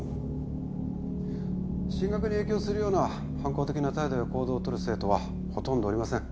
進学に影響するような反抗的な態度や行動を取る生徒はほとんどおりません。